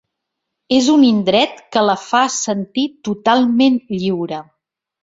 És un indret que la fa sentir totalment lliure.